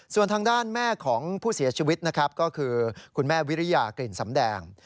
ส่วนทางด้านแม่ของผู้เสียชีวิตนะครับก็คือคุณแม่วิริยากลิ่นสำแดง